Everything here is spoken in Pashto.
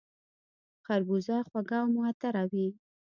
خربوزه خوږه او معطره وي